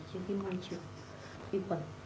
trên cái nguồn trường